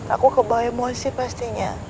aku kebawa emosi pastinya